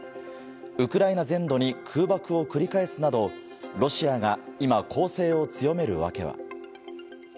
ウクライナ全土に空爆を繰り返すなど、ロシアが今攻勢を強める訳は。